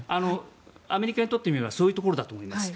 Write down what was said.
アメリカにとってみればそういうところだと思います。